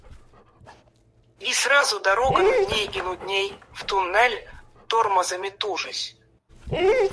И сразу дорога нудней и нудней, в туннель, тормозами тужась.